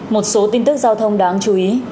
một số tin tức giao thông đáng chú ý